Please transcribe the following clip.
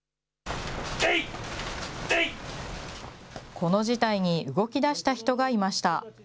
この事態に動きだした人がいました。